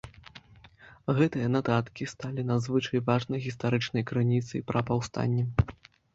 Гэтыя нататкі сталі надзвычай важнай гістарычнай крыніцай пра паўстанне.